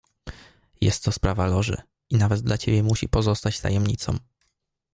"Jest to sprawa Loży i nawet dla ciebie musi pozostać tajemnicą."